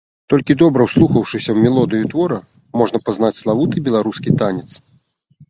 Толькі добра ўслухаўшыся ў мелодыю твора, можна пазнаць славуты беларускі танец.